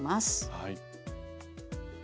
はい。